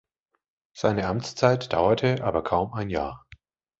Seine Amtszeit dauerte aber kaum ein Jahr.